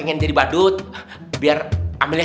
ngehibur amel ya